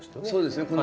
そうですね